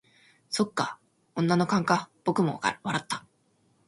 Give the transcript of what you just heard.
「そっか、女の勘か」僕も笑った。